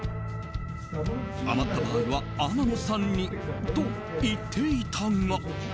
余った場合は天野さんにと言っていたが。